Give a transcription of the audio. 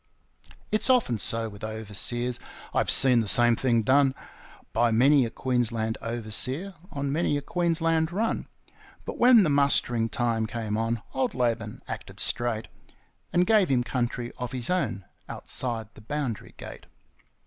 It's often so with overseers I've seen the same thing done By many a Queensland overseer on many a Queensland run. But when the mustering time came on old Laban acted straight, And gave him country of his own outside the boundary gate.